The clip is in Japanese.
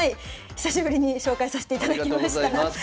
久しぶりに紹介させていただきました。